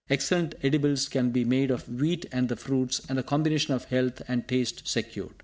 Excellent edibles can be made of wheat and the fruits, and a combination of health and taste secured.